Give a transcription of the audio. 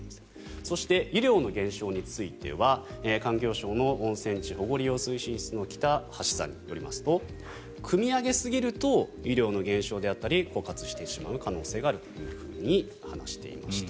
そして、湯量の減少については環境省の温泉地保護利用推進室の北橋さんによりますとくみ上げすぎると湯量の減少であったり枯渇してしまう可能性があると話していました。